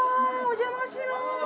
お邪魔します。